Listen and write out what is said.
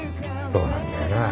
そうなんだよなぁ